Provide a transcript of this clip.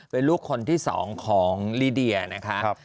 เป็นลูกคนที่๒ของลิเดียนะคะ